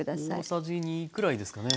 大さじ２くらいですかね？